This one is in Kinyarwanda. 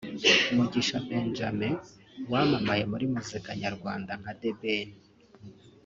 Mugisha Benjamin wamamaye muri muzika nyarwanda nka The Ben